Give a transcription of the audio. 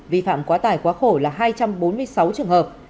vi phạm quá tải quá khổ là hai trăm bốn mươi sáu trường hợp